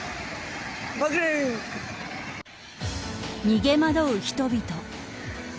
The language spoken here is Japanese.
逃げ惑う人々。